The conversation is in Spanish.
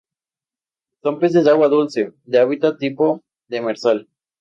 Son peces de agua dulce, de hábitat tipo demersal.